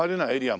はい